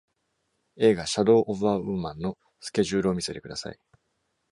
映画「Shadow of a Woman」のスケジュールを見せてください。